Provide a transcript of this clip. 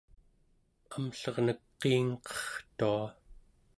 amllernek qiingqertua